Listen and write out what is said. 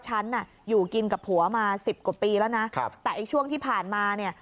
ฉันน่ะอยู่กินกับผัวมาสิบกว่าปีแล้วนะครับแต่ไอ้ช่วงที่ผ่านมาเนี่ย